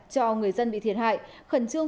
cho người dân bị thiệt hại khẩn trương